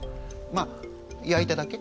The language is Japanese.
まあ焼いただけ。